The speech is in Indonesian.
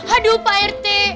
aduh pak rete